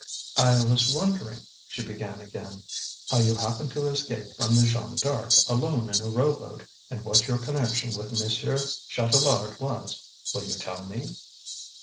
"I was wondering," she began again, "how you happened to escape from the Jeanne D'Arc alone in a rowboat, and what your connection with Monsieur Chatelard was. Will you tell me?"